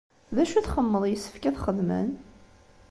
D acu i txemmeḍ yessefk ad t-xedmen?